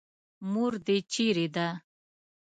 مور دې چېرې ده.